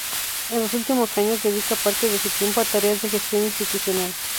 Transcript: En los últimos años dedica parte de su tiempo a tareas de gestión institucional.